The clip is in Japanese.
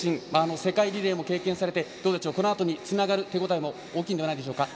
世界リレーも経験されてこのあとにつながる手応えも大きいんじゃないでしょうか。